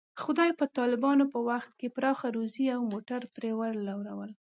خدای په طالبانو په وخت کې پراخه روزي او موټر پرې ولورول.